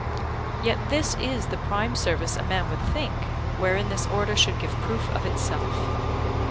Yet this is the prime service a man would think, wherein this Order should give proof of itself.